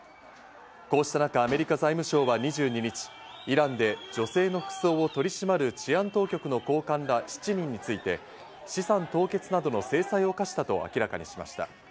こうした中、アメリカ財務省は２２日、イランで女性の服装を取り締まる治安当局の高官ら７人について、資産凍結などの制裁を科したと明らかにしました。